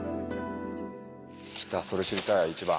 きたそれ知りたい一番。